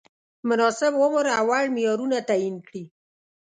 مناسب عمر او وړ معیارونه تعین کړي.